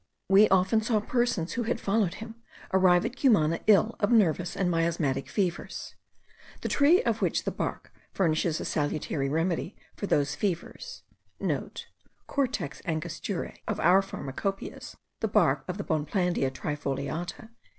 We often saw persons, who had followed him, arrive at Cumana ill of nervous and miasmatic fevers. The tree of which the bark* furnishes a salutary remedy for those fevers (* Cortex Angosturae of our pharmacopaeias, the bark of the Bonplandia trifoliata.)